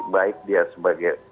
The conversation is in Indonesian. baik dia sebagai